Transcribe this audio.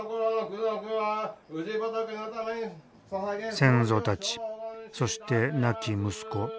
先祖たちそして亡き息子。